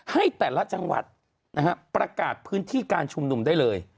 ให้แต่ละจังหวัดนะฮะประกาศพื้นที่การชุมนุมได้เลย